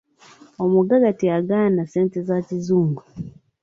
Omugagga teyagaana ssente za kizungu.